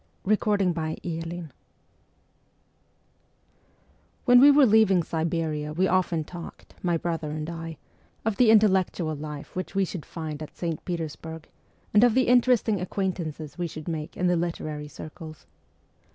80 MEMOIRS OF A REVOLUTIONIST WHEN we were leaving Siberia we often talked, my brother and I, of the intellectual life which we should find at St. Petersburg, and of the interesting acquaint ances we should make in the literary circles.